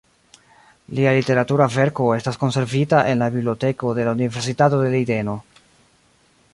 Lia literatura verko estas konservita en la Biblioteko de la Universitato de Lejdeno.